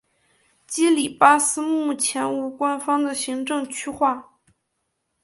基里巴斯目前无官方的行政区划。